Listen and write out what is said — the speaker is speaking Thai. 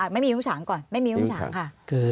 ไม่มียุ้งฉางก่อนไม่มียุ้งฉางค่ะ